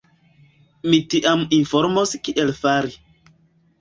Ni tiam informos kiel fari.